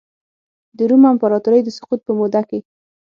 د روم امپراتورۍ د سقوط په موده کې.